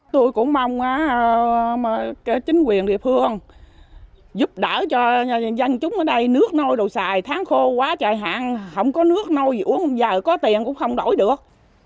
tôi cũng mong chính quyền địa phương giúp đỡ cho dân chúng ở đây nước nôi đồ xài tháng khô quá trời hạn không có nước nôi gì uống giờ có tiền cũng không đổi được